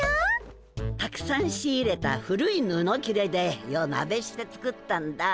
たくさん仕入れた古いぬのきれで夜なべして作ったんだ。